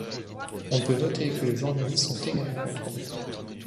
On peut noter que les journalistes sont également contrôlés.